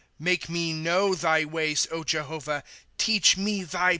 ^ Make me know thy ways, Jehovah ; Teach me thy paths.